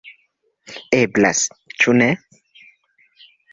Eblas, cu ne!